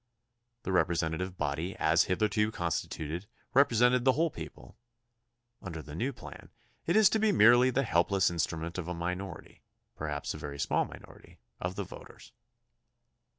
The representative body as hitherto constituted represented the whole people. Under the new plan it is to be merely the helpless in strument of a minority, perhaps a very small minority, of the voters.